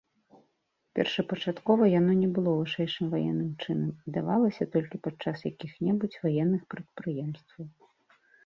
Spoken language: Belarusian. Першапачаткова яно не было вышэйшым ваенным чынам і давалася толькі падчас якіх-небудзь ваенных прадпрыемстваў.